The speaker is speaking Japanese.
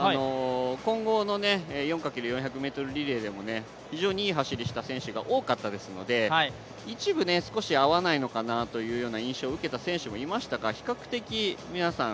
混合の４×４００ｍリレーでも非常にいい走りした選手が多かったので、一部、少し合わないのかなという印象を受けた選手もいましたが比較的、皆さん